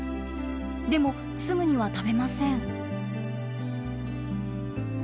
でもすぐには食べません。